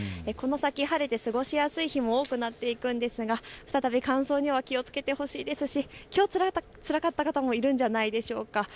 この先、晴れて過ごしやすい日も行っていくんですが再び乾燥には気をつけてほしいですし、きょうつらかった方もいるんじゃないでしょうか。